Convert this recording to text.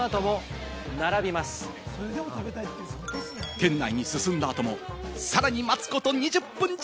店内に進んだ後も、さらに待つこと２０分弱。